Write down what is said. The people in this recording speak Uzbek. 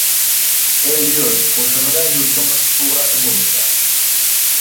El-yurt qo‘shig‘ida yurtimiz suvrati bo‘lsa…